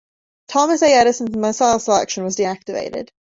"Thomas A. Edison"s missile section was deactivated.